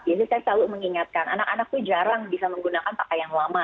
biasanya saya selalu mengingatkan anak anak itu jarang bisa menggunakan pakaian lama